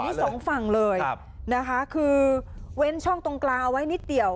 อันนี้สองฝั่งเลยนะคะคือเว้นช่องตรงกลางเอาไว้นิดเดียว